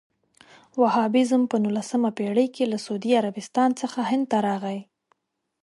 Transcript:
وهابیزم په نولسمه پېړۍ کې له سعودي عربستان څخه هند ته راغی.